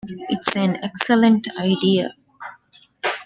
It's an excellent idea.